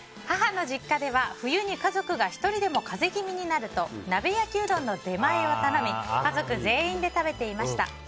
母の実家では冬に家族が１人でも風邪気味になると鍋焼きうどんの出前を頼み家族全員で食べていました。